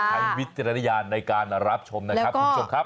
วิจารณญาณในการรับชมนะครับคุณผู้ชมครับ